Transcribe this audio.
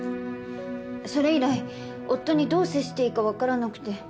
それ以来夫にどう接していいか分からなくて。